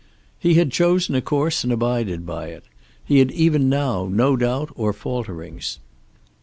He had chosen a course and abided by it. He had even now no doubt or falterings.